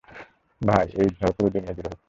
ভাই, এই ঝড় পুরো দুনিয়াজুড়ে হচ্ছে!